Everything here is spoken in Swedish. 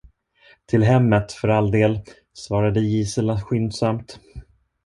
Till hemmet, för all del, svarade Gisela skyndsamt.